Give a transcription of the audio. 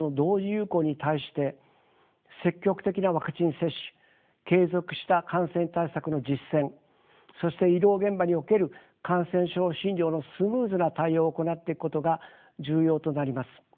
流行に対して積極的なワクチン接種継続した感染対策の実践そして医療現場における感染症診療のスムーズな対応を行っていくことが重要となります。